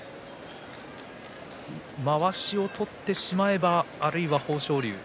まわしを取ってしまえばあるいは豊昇龍。